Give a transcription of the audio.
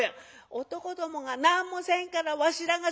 「男どもが何もせんからわしらがするんや」。